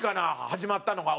始まったのが。